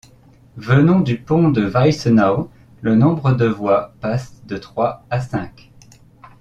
Venant du pont Weisenau, le nombre de voies passe de trois à cinq.